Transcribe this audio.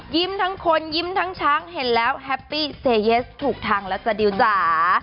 ทั้งคนยิ้มทั้งช้างเห็นแล้วแฮปปี้เซเยสถูกทางแล้วจ้ะดิวจ๋า